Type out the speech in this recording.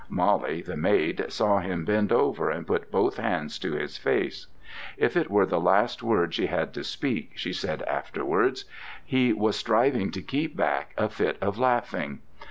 Molly, the maid, saw him bend over and put both hands to his face. If it were the last words she had to speak, she said afterwards, he was striving to keep back a fit of laughing.